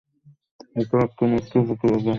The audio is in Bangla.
এটা একটি মিথ্যা প্রতিবেদন।